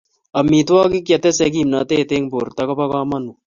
amitwagik chetese kimnatet eng' borto kobo kamangut